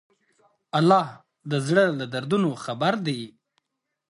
الله د زړه له دردونو خبر دی.